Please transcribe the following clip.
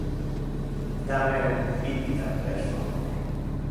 Da me un bibita, per favor.